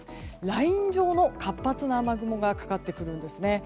ライン状の活発な雨雲がかかってくるんですね。